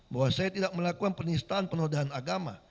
bahwa saya tidak melakukan penistaan penodaan agama